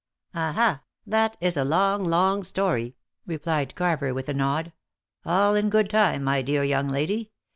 "Aha! that is a long, long story," replied Carver with a nod. "All in good time, my dear young lady.